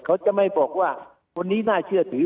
เขาจะไม่บอกว่าคนนี้น่าเชื่อถือ